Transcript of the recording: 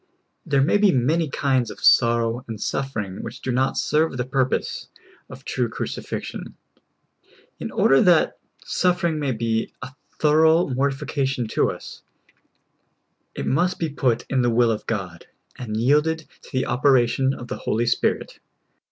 There may be many kinds of sorrow and suffering which do not serve the purpose of true crucifixion. In order that suffering may be a thorough mortifi cation to us, it must be put in the will of God, and yielded to the operation of the Holy Spirit.